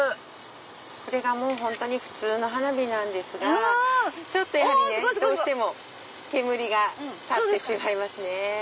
これが本当に普通の花火なんですがやはりどうしても煙が立ってしまいますね。